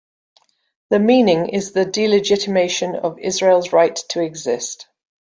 The meaning is the delegitimation of Israel's right to exist.